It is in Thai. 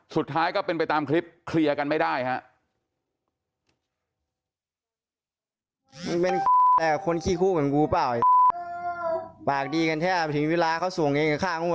สุดท้ายก็เป็นไปตามคลิปเคลียร์กันไม่ได้ครับ